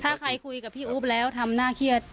ถ้าใครคุยกับพี่อุ๊บแล้วทำหน้าเครียด